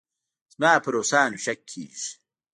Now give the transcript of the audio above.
زما په روسانو شک کېږي.